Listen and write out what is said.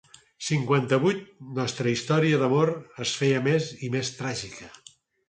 Cinquanta-vuit nostra història d'amor es feia més i més tràgica.